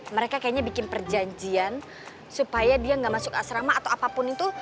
mereka kayaknya bikin perjanjian supaya dia nggak masuk asrama atau apapun itu